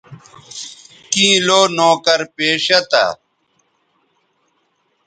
کیں لو نوکر پیشہ تھا